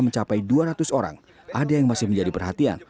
mencapai dua ratus orang ada yang masih menjadi perhatian